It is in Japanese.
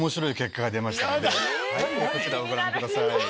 こちらをご覧ください。